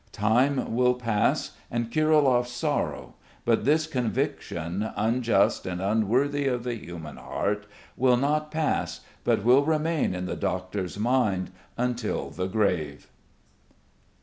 Time will pass and Kirilov's sorrow, but this conviction, unjust and unworthy of the human heart, will not pass, but will remain in the doctor's mind until the grave.